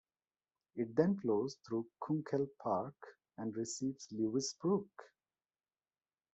It then flows through Kunkel Park and receives Lewis Brook.